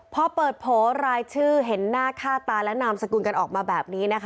พอเปิดโผล่รายชื่อเห็นหน้าค่าตาและนามสกุลกันออกมาแบบนี้นะคะ